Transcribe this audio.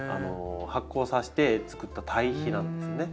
発酵させてつくった堆肥なんですね。